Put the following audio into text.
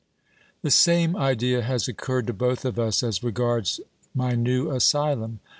The same idea has occurred to both of us as regards my new asylum.